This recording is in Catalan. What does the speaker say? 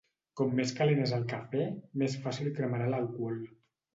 Com més calent és el cafè, més fàcil cremarà l'alcohol.